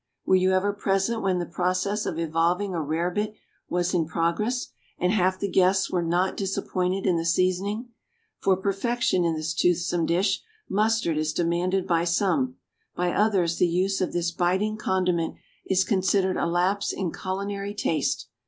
Were you ever present when the process of evolving a rarebit was in progress and half the guests were not disappointed in the seasoning? For perfection in this toothsome dish, mustard is demanded by some; by others the use of this biting condiment is considered a lapse in culinary taste.